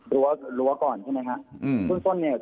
รั้วก่อนใช่ไหมฮะ